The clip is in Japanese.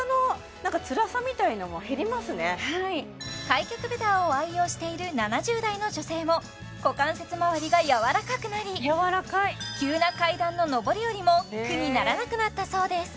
開脚ベターを愛用している７０代の女性も股関節まわりが柔らかくなり急な階段の上り下りも苦にならなくなったそうです